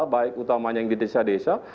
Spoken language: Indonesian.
baik utamanya yang di desa desa